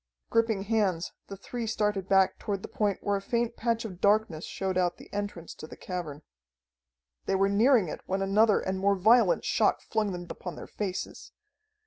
Gripping hands, the three started back toward the point where a faint patch of darkness showed out the entrance to the cavern. They were nearing it when another and more violent shock flung them upon their faces.